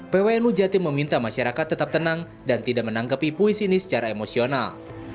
pwnu jatim meminta masyarakat tetap tenang dan tidak menanggapi puisi ini secara emosional